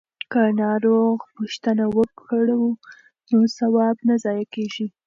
که ناروغ پوښتنه وکړو نو ثواب نه ضایع کیږي.